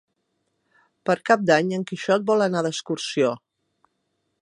Per Cap d'Any en Quixot vol anar d'excursió.